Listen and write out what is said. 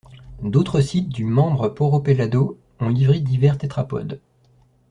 D’autres sites du Membre Morro Pelado ont livré divers tétrapodes.